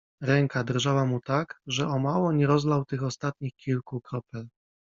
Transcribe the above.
Ręka drżała mu tak, że o mało nie rozlał tych ostatnich kilku kropel.